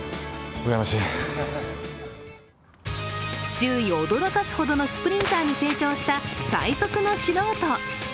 周囲を驚かすほどのスプリンターに成長した最速の素人。